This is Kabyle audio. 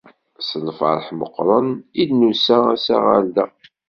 S lferḥ meqqren i d-nusa ass-a ɣer da.